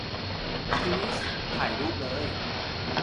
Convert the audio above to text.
ชีส ? ถ่ายรูปเลย !